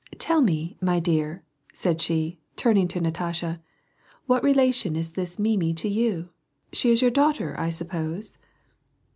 " Tell me, my dear," said she, turning to Natasha, " what relation is this Mimi to you ? She is your daughter, I suppose."